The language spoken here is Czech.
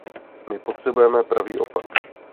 My potřebujeme pravý opak.